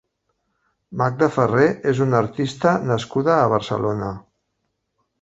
Magda Ferrer és una artista nascuda a Barcelona.